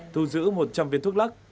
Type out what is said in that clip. thu giữ một trăm linh viên thuốc lắc